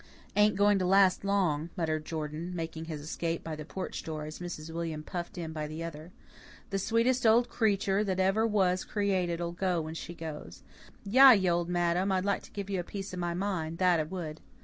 "Ain't going to last long," muttered Jordan, making his escape by the porch door as Mrs. William puffed in by the other. "The sweetest old creetur that ever was created'll go when she goes. Yah, ye old madam, I'd like to give you a piece of my mind, that I would!"